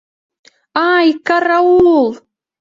Ай, караул!..